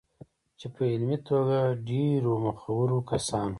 چې په علمي توګه ډېرو مخورو کسانو